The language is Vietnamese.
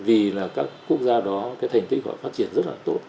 vì các quốc gia đó thành tích phát triển rất là tốt